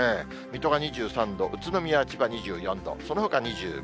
水戸が２３度、宇都宮、千葉２４度、そのほか２５度。